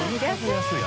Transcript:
安い。